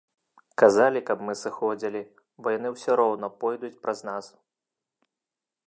Казалі, каб мы сыходзілі, бо яны усё роўна пройдуць праз нас.